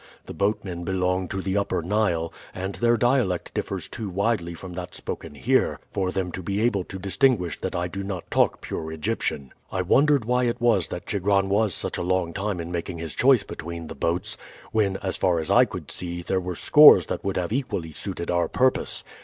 The boatmen belong to the Upper Nile, and their dialect differs too widely from that spoken here for them to be able to distinguish that I do not talk pure Egyptian. I wondered why it was that Chigron was such a long time in making his choice between the boats, when, as far as I could see, there were scores that would have equally suited our purpose.